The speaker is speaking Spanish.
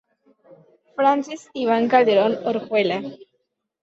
Francis Iván Calderón Orjuela